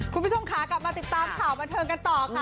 คุณผู้ชมค่ะกลับมาติดตามข่าวบันเทิงกันต่อค่ะ